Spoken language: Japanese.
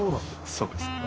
そうですね。